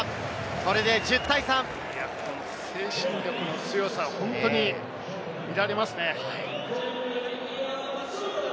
これで１０精神力の強さ、本当に見られますね。